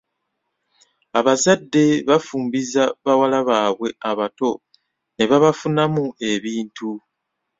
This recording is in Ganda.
Abazadde bafumbiza bawala baabwe abato ne babafunamu ebintu.